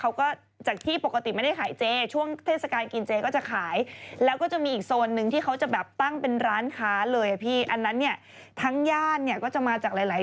รางวัลที่๑รับเงินที่ไหนคะอยู่ต่างจังหวัดทำไมต้องไปรับที่